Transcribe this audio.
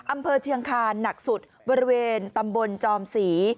อำเภอเชียงคานหนักสุดบริเวณตำบลจอมศรี